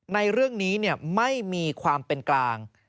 ในเรื่องนี้ไม่มีความเป็นกลาง